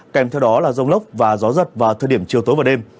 kèm theo đó là rông lốc và gió giật vào thời điểm chiều tối và đêm